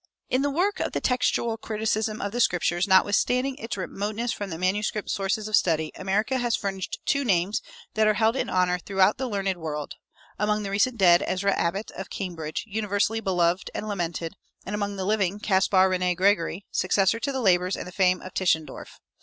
In the work of the textual criticism of the Scriptures, notwithstanding its remoteness from the manuscript sources of study, America has furnished two names that are held in honor throughout the learned world: among the recent dead, Ezra Abbot, of Cambridge, universally beloved and lamented; and among the living, Caspar René Gregory, successor to the labors and the fame of Tischendorf.